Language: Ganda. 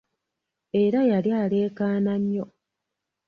Era yali ereekaana nnyo!